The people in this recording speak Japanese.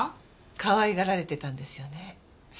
かわいがられてたんですよね？